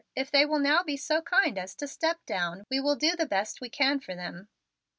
If they will now be so kind as to step down, we will do the best we can for them."